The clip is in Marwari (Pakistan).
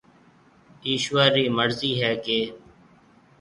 ايشوَر رِي مرضِي هيَ ڪيَ